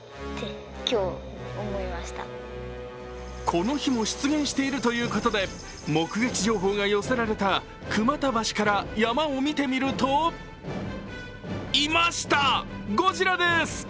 この日も出現しているということで目撃情報が寄せられた熊田橋から山を見てみるといました、ゴジラです！